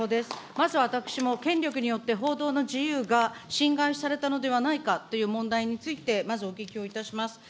まずは私も権力によって報道の自由が侵害されたのではないかという問題について、まずお聞きをいたします。